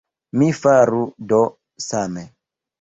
Mi faru do same!